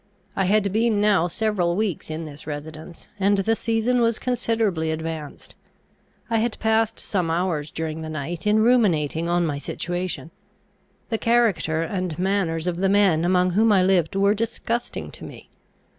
I had been now several weeks in this residence, and the season was considerably advanced. I had passed some hours during the night in ruminating on my situation. The character and manners of the men among whom I lived were disgusting to me.